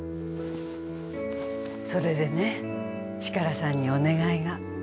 それでねチカラさんにお願いが。